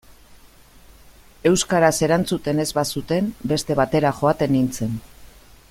Euskaraz erantzuten ez bazuten, beste batera joaten nintzen.